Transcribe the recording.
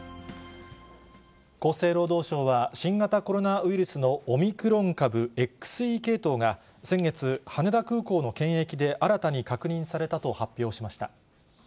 厚生労働省は、新型コロナウイルスのオミクロン株ＸＥ系統が、先月、羽田空港の検疫で新たに確認されたと発表しました。